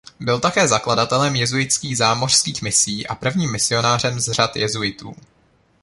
Byl také zakladatelem jezuitských zámořských misií a prvním misionářem z řad jezuitů.